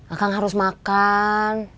akang harus makan